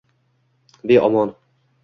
Beomon.